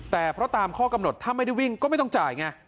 แต่เพราะตามข้อกำหนดถ้าไม่ได้วิ่งก็ไม่ต้องจ่ายไง